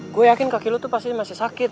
gua yakin kaki lo tuh pasti masih sakit